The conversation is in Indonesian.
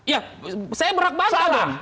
ya saya berakbanta dong